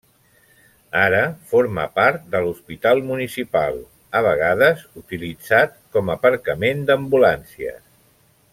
Ara forma part de l'hospital municipal, a vegades utilitzat com aparcament d'ambulàncies.